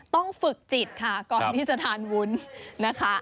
ต้องฝึกจิตค่ะก่อนที่จะทานวุ้นนะคะ